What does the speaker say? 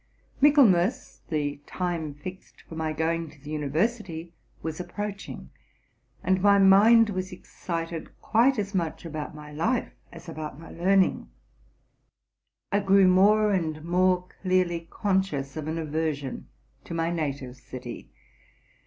Michaelmas, the time fixed for my going to the university, was approaching; and my mind was excited quite as much about my life as about my learning. [grew more and more clearly conscious of an aversion to. mny native city.